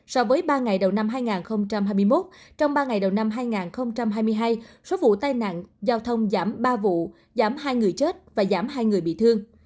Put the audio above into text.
so với ba ngày đầu năm hai nghìn hai mươi một trong ba ngày đầu năm hai nghìn hai mươi hai số vụ tai nạn giao thông giảm ba vụ giảm hai người chết và giảm hai người bị thương